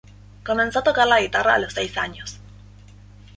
Comenzó a tocar la guitarra a los seis años.